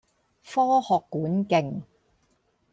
科學館徑